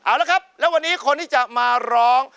เอาละครับแล้ววันนี้คนที่จะมาร้อง